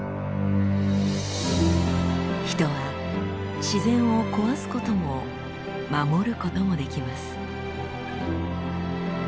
人は自然を壊すことも守ることもできます。